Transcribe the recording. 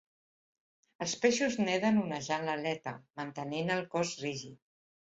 Els peixos neden onejant l'aleta, mantenint el cos rígid.